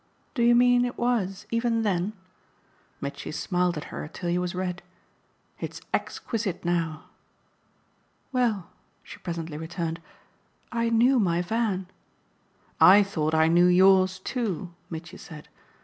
"Do you mean it was even then?" Mitchy smiled at her till he was red. "It's exquisite now." "Well," she presently returned, "I knew my Van!" "I thought I knew 'yours' too," Mitchy said.